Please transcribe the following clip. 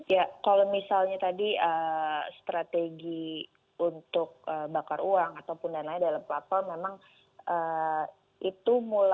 ya kalau misalnya tadi strategi untuk bakar uang ataupun dan lain dalam platform memang itu mulai